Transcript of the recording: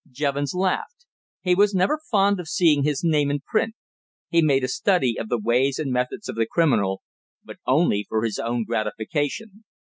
Jevons laughed. He was never fond of seeing his name in print. He made a study of the ways and methods of the criminal, but only for his own gratification.